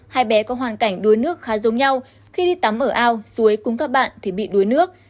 hai bé có hoàn cảnh đuối nước khá giống nhau khi đi tắm ở ao suối cùng các bạn thì bị đuối nước